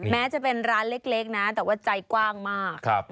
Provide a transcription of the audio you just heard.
แม้จะเป็นร้านเล็กนะแต่ว่าใจกว้างมาก